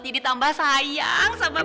jadi tambah sayang sama papi